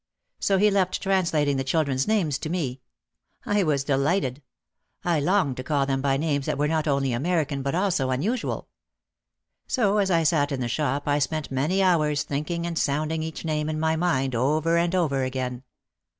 So he left translating the chil dren's names to me. I was delighted. I longed to call them by names that were not only American but also unusual. So as I sat in the shop I spent many hours thinking and sounding each name in my mind over and over again.